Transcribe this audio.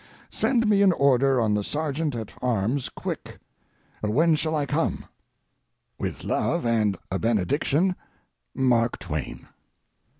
"Send me an order on the sergeant at arms quick. When shall I come? "With love and a benediction, "MARK TWAIN."